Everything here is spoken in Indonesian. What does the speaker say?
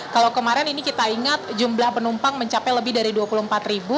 kalau kemarin ini kita ingat jumlah penumpang mencapai lebih dari dua puluh empat ribu